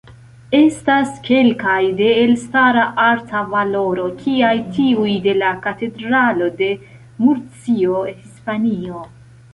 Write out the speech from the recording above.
Estas kelkaj de elstara arta valoro, kiaj tiuj de la katedralo de Murcio, Hispanio.